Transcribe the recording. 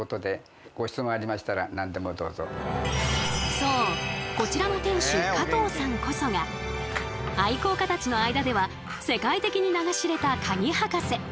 そうこちらの店主加藤さんこそが愛好家たちの間では世界的に名が知れたカギ博士。